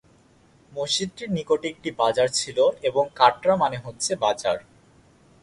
মসজিদটির নিকটে একটি বাজার ছিল এবং কাটরা মানে হচ্ছে বাজার।